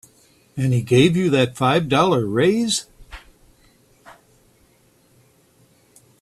And he gave you that five dollar raise.